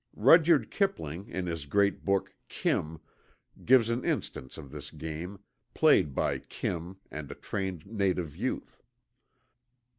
Rudyard Kipling in his great book, "Kim," gives an instance of this game, played by "Kim" and a trained native youth.